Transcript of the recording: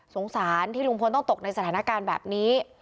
สงสารที่ลุงพลต้องตกในสถานการณ์แบบนี้